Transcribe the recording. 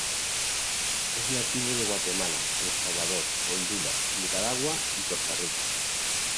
Es nativo de Guatemala, El Salvador, Honduras, Nicaragua, y Costa Rica.